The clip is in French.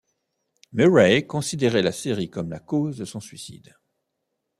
Murray considérait la série comme la cause de son suicide.